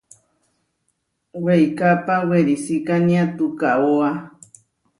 Weikápa werisikánia tukaóa.